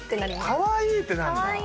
「かわいい！」ってなるんだ。